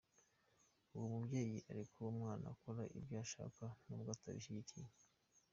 Uwo mubyeyi areke uwo mwana akora ibyo ashaka, nubwo atabishyigikiye?.